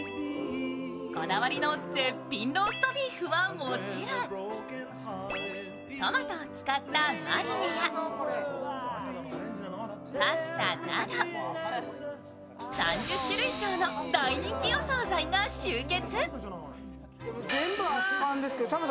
こだわりの絶品ローストビーフはもちろんトマトを使ったマリネや、パスタなど、３０種類以上の大人気お惣菜が集結。